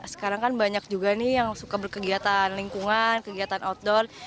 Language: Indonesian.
sekarang kan banyak juga nih yang suka berkegiatan lingkungan kegiatan outdoor